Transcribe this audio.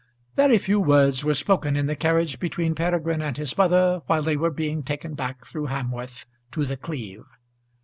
Very few words were spoken in the carriage between Peregrine and his mother while they were being taken back through Hamworth to The Cleeve.